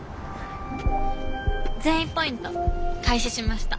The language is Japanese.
善意ポイント開始しました。